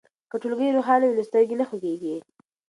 که ټولګی روښانه وي نو سترګې نه خوږیږي.